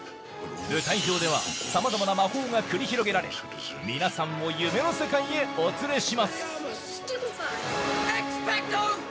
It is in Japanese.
舞台上ではさまざまな魔法が繰り広げられ皆さんも夢の世界へお連れします。